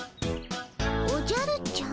おじゃるちゃん？